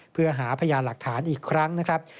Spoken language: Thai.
เพื่อหาพยานหลักฐานอีกครั้งนะครับ